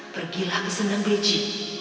pergilah ke senang beji